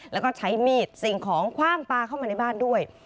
แล้วก็ใช้มีดสิ่งของคว่างปลาเข้ามาในบ้านด้วย